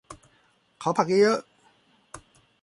ขอผักเยอะเยอะ